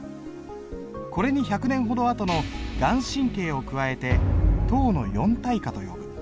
これに１００年ほど後の顔真を加えて唐の四大家と呼ぶ。